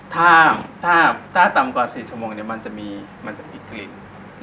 ถ้าต่ำกว่า๔ชั่วโมงมันจะมีกลิ่น